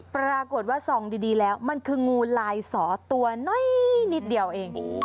ปรากฏว่าส่องดีแล้วมันคืองูลายสอตัวน้อยนิดเดียวเอง